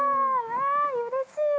わーい、うれしい。